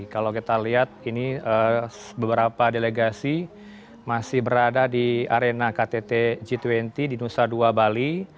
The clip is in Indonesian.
kalau kita lihat ini beberapa delegasi masih berada di arena ktt g dua puluh di nusa dua bali